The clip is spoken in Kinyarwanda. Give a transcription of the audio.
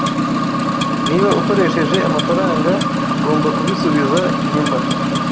Niba ukoresheje amafaranga, ugomba kubisubiza nyuma